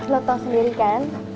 lo tau sendiri kan